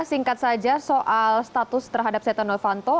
singkat saja soal status terhadap setia novanto